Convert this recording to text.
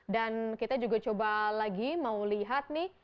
dan kita juga coba lagi mau lihat nih